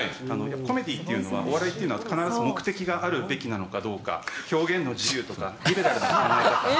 コメディーっていうのは、お笑いっていうのは必ず目的があるべきなのかどうか、表現の自由とか、リベラルな考え方。